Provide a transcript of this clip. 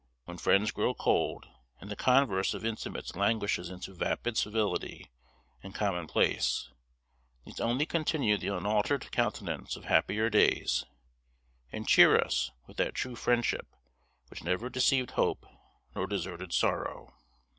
When friends grow cold, and the converse of intimates languishes into vapid civility and commonplace, these only continue the unaltered countenance of happier days, and cheer us with that true friendship which never deceived hope, nor deserted sorrow.